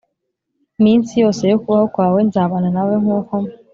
minsi yose yo kubaho kwawe Nzabana nawe nkuko